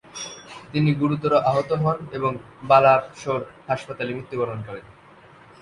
তিনি গুরুতর আহত হন এবং বালাসোর হাসপাতালে মৃত্যুবরণ করেন।